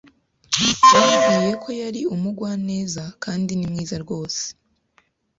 Wambwiye ko yari umugwaneza kandi ni mwiza rwose.